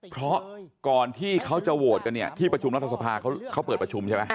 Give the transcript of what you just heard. เพราะก่อนที่เขาจะโหวตกันเนี่ยที่ประชุมรัฐสภาเขาเปิดประชุมใช่ไหม